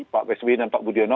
pak sby dan pak budiono